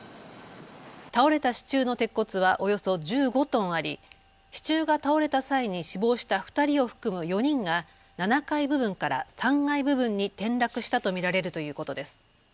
倒れた支柱の鉄骨はおよそ１５トンあり支柱が倒れた際に死亡した２人を含む４人が７階部分から３階部分に転落したと見られるということです。